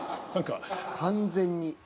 完全に。